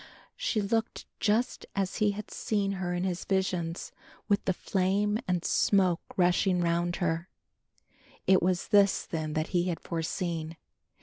She looked just as he had seen her in his visions with the flame and smoke rushing round her. It was this then that he had foreseen.